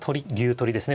取りですね